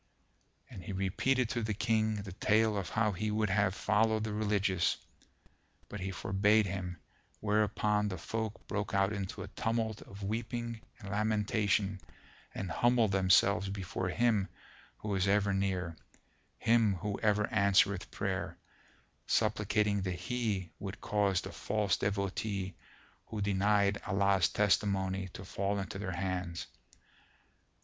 And he repeated to the King the tale of how he would have followed the Religious, but he forbade him, whereupon the folk broke out into a tumult of weeping and lamentation and humbled themselves before Him who is ever near, Him who ever answereth prayer, supplicating that He would cause the false Devotee who denied Allah's testimony to fall into their hands.